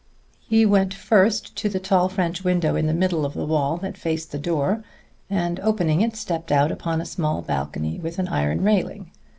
He went first to the tall French window in the middle of the wall that faced the door, and opening it, stepped out upon a small balcony with an iron railing.